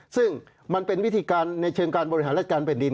ซึ่งมันเป็นวิธีการในเชิงการบริหารราชการแผ่นดิน